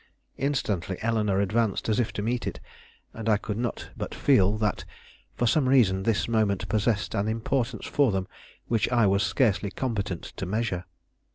Instantly Eleanore advanced, as if to meet it; and I could not but feel that, for some reason, this moment possessed an importance for them which I was scarcely competent to measure.